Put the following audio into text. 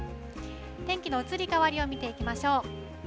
天気の移り変わりを見ていきましょう。